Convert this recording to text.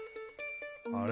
あれ？